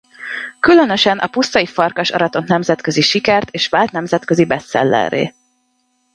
Különösen A pusztai farkas aratott nemzetközi sikert és vált nemzetközi bestsellerré.